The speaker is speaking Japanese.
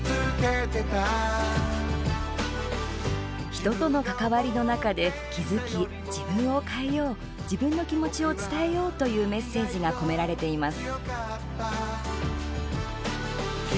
人との関わりの中で気付き自分を変えよう自分の気持ちを伝えようというメッセージが込められています。